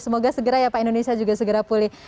semoga segera ya pak indonesia juga segera pulih